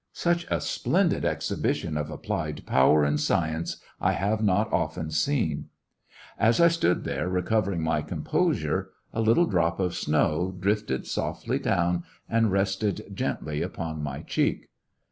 Such a splendid exhibition of applied power and science I have not often seen. As I stood there recovering my composure, a little drop of snow drifted softly down and rested gently upon my cheek.